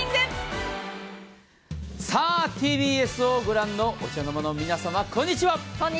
ＴＢＳを御覧のお茶の間の皆様こんにちは。